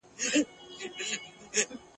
یو وړوکی ځنګل را ګرځېدلی دی !.